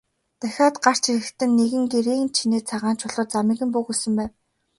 Дахиад гарч ирэхэд нь нэгэн гэрийн чинээ цагаан чулуу замыг нь бөглөсөн байв.